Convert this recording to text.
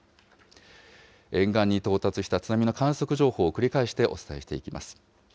沿岸に到達した津波の観測情報、繰り返してお伝えしていきます。